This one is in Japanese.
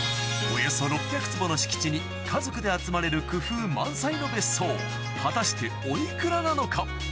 およそ６００坪の敷地に家族で集まれる工夫満載の別荘果たしておいくらなのか？